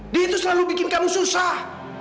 dia itu selalu bikin kamu susah